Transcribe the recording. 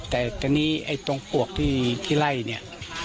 แต่ตอนนี้ไอ้ตรงปวกที่ไล่เนี่ย